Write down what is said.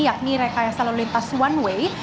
yakni rekayasa lalu lintas one way